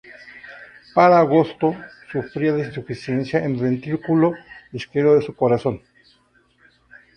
Para agosto, sufría de insuficiencia en el ventrículo izquierdo de su corazón.